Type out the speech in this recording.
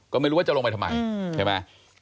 ก็ไม่รู้ว่าจะลงไปทำไมใช่ไหม